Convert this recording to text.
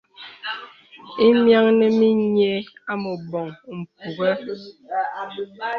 Ìmìanə̀ mì nyə̀ à mə bɔŋ mpùŋə̀.